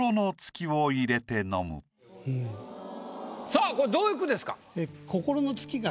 さぁこれどういう句ですか？